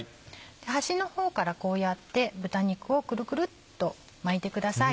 端の方からこうやって豚肉をくるくるっと巻いてください。